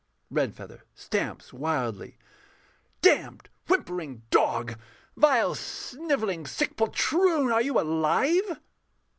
REDFEATHER [stamps wildly]. Damned, whimpering dog! vile, snivelling, sick poltroon! Are you alive?